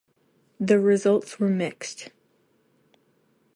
The results were mixed.